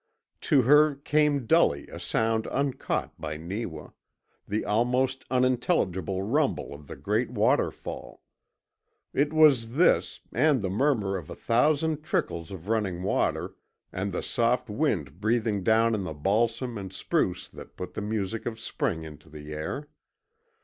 To her came dully a sound uncaught by Neewa the almost unintelligible rumble of the great waterfall. It was this, and the murmur of a thousand trickles of running water, and the soft wind breathing down in the balsam and spruce that put the music of spring into the air.